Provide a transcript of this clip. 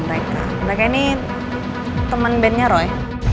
mereka kayaknya ini temen bandnya roy